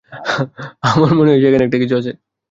আমার মনে হয় সেখানে কিছু একটা আছে।